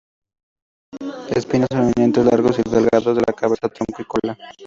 Espinas prominentes, largos y delgados en la cabeza, tronco y cola.